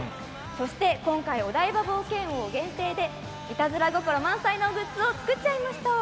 そして、今回お台場冒険王限定でイタズラ心満載のグッズを作っちゃいました。